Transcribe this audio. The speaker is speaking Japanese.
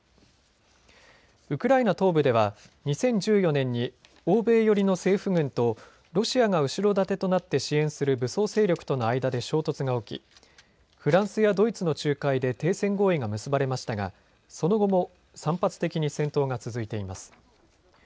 ウクライナ東部では２０１４年に欧米寄りの政府軍とロシアが後ろ盾となって支援する武装勢力との間で衝突が起きフランスやドイツの仲介で停戦合意が結ばれましたがその後も散発的に戦闘が続いています。